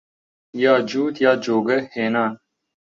یا جووت یا جۆگە هێنان